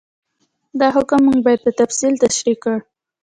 دا حکم موږ مخکې په تفصیل تشرېح کړ.